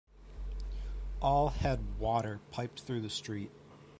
All had Water piped through the street.